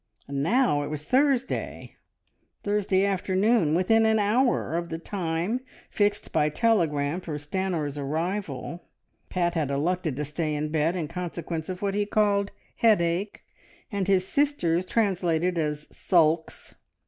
And now it was Thursday Thursday afternoon, within an hour, of the time fixed by telegram for Stanor's arrival. Pat had elected to stay in bed, in consequence of what he called headache and his sisters translated as "sulks."